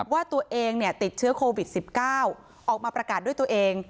ว่าตัวเองติดเชื้อโควิด๑๙ออกมาประกาศด้วยตัวเอง